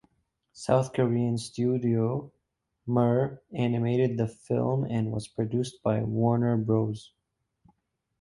South Korean studio Mir animated the film and was produced by Warner Bros.